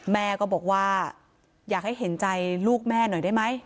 แม่ก็บอกว่าอยากให้เห็นใจลูกแม่หน่อยได้ไหม